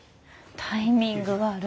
タイミングわる。